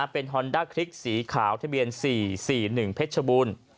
เป็นฮอนด้าคลิกสีขาวทะเบียน๔๔๑เพชรบูรณ์